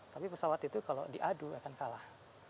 tapi pesawat itu kalau diadu akan kalah